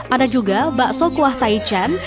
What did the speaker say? ada juga bakso kuah taichan